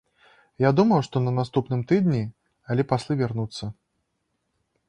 Я думаў, што на наступным тыдні, алі паслы вернуцца.